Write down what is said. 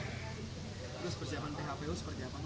terus persiapan phpu seperti apa